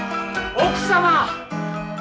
奥様！